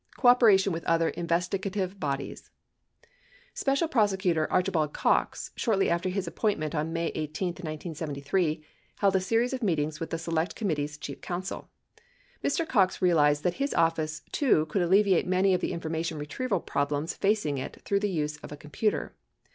COOPERATION WITH OTHER INVESTIGATIVE BODIES Special Prosecutor Archibald Cox, shortly after his appointment on May 18, 1973. held a series of meetings with the Select Committee's Chief Counsel. Mr. Cox realized that his office too could alleviate many of the information retrieval problems facing it through the use of a computer.